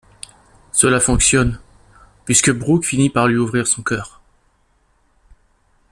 Cela fonctionne, puisque Brooke finit par lui ouvrir son cœur.